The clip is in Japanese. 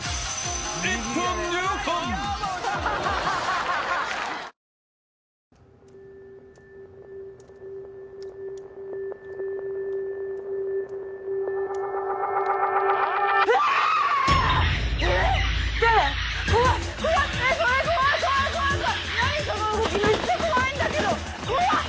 めっちゃ怖いんだけど！